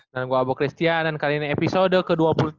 dan gue abu christian dan kali ini episode ke dua puluh tiga